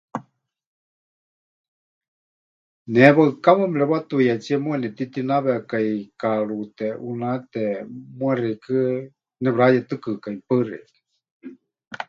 Ne waɨkawa mɨrewatuiyatsíe muuwa nepɨtitínawekai kaaruúte, ʼunáte, muuwa xeikɨ́a nepɨrayetɨkɨkai. Paɨ xeikɨ́a.